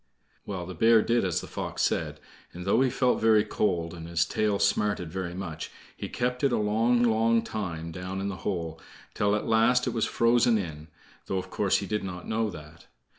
Well, the bear did as the fox said, and though he felt very cold, and his tail smarted very much, he kept it a long, long time down in the hole, till at last it was frozen in, though of course he did not know that.